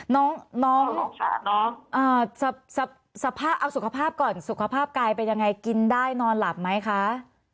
น้องสภาพเอาสุขภาพก่อนสุขภาพกายเป็นยังไงกินได้นอนหลับไหมคะ